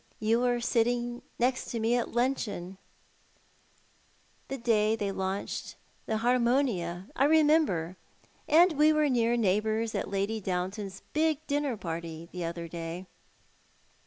« You were sitting next me at luncheon the day they 32 ThoiL art the Man. launched the TIarmoniu, I remember. Aud we were near neigh bours at Lady Downton's big dinner party the other day."